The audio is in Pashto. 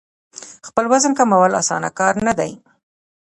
خپل وزن کمول اسانه کار نه دی.